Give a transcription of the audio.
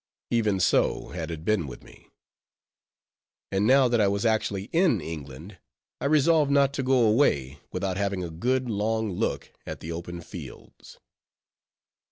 Even so had it been with me; and now that I was actually in England, I resolved not to go away without having a good, long look at the open fields.